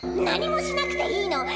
何もしなくていいの。